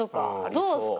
どうすか？